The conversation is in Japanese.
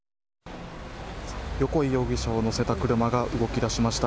横井容疑者を乗せた車が動き出しました。